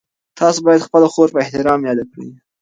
تاسو باید خپله خور په احترام یاده کړئ.